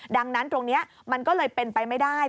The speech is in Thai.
ดังนั้นตรงนี้มันก็เลยเป็นไปไม่ได้